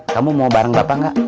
kamu mau bareng bapak nggak